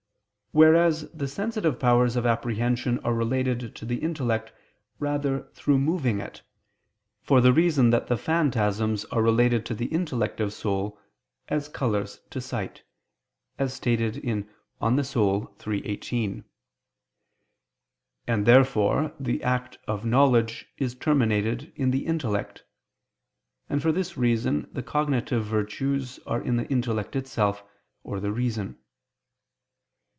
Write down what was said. Whereas the sensitive powers of apprehension are related to the intellect rather through moving it; for the reason that the phantasms are related to the intellective soul, as colors to sight (De Anima iii, text. 18). And therefore the act of knowledge is terminated in the intellect; and for this reason the cognoscitive virtues are in the intellect itself, or the reason.